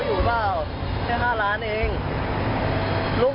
สวัสดีครับ